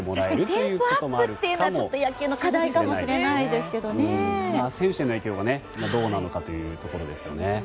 テンポアップっていうのは野球の課題かも選手の影響がどうなのかというところですよね。